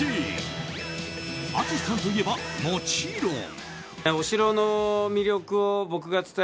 淳さんといえばもちろん。